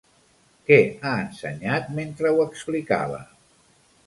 Què ha ensenyat mentre ho explicava?